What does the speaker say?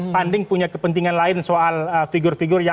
funding punya kepentingan lain soal figure figure yang